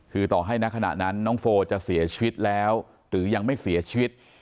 คือต่อให้ณขณะนั้นน้องโฟจะเสียชีวิตแล้วหรือยังไม่เสียชีวิต